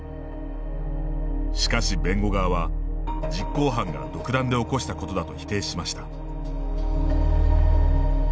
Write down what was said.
しかし、弁護側は実行犯が独断で起こしたことだと否定しました。